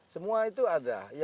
semua itu ada